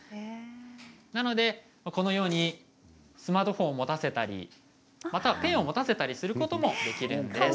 なので、このようにスマートフォンを持たせたりまたはペンを持たせたりすることもできるんです。